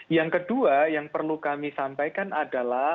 yang kedua yang perlu kami sampaikan adalah